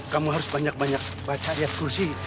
kamu harus banyak banyak baca kursi